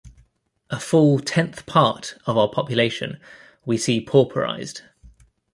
A full tenth part of our population we see pauperized.